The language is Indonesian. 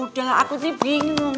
udah aku ini bingung